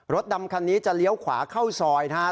ดำคันนี้จะเลี้ยวขวาเข้าซอยนะครับ